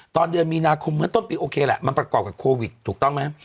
ตอนเดือนมีนาคมเมื่อต้นปีโอเคแหละมันประกอบกับโควิดถูกต้องไหม